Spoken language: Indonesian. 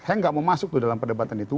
yang gak mau masuk tuh dalam perdebatan itu